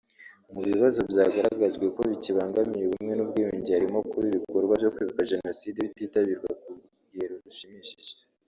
Mu bibazo byagaragajwe ko bikibangamiye ubumwe n’ubwiyunge harimo kuba ibikorwa byo kwibuka Jenoside bititabirwa ku rugero rushimishije